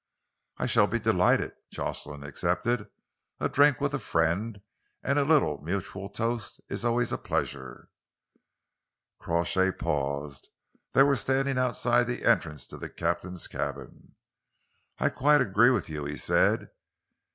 "I shall be delighted," Jocelyn accepted. "A drink with a friend, and a little mutual toast, is always a pleasure." Crawshay paused. They were standing outside the entrance to the captain's cabin. "I quite agree with you," he said.